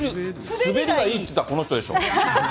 滑りがいいって言ったらこの人でしょ。